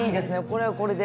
これはこれで。